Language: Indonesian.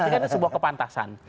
tapi kan itu sebuah kepantasan